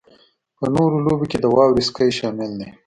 په نورو لوبو کې د واورې سکی شامل دی